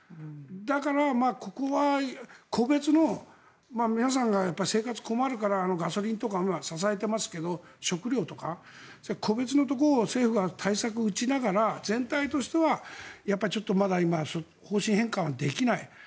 だから、ここは個別の皆さんが生活困るからガソリンとか支えてますけど食料とか個別のところを政府は対策を打ちながら全体としてはちょっとまだ方針転換できない。